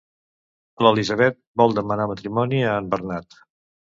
L'Elisabet vol demanar matrimoni a en Bernat.